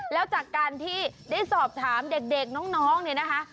แล้วจากการที่ได้สอบถามเด็กน้องเนี่ยนะคะ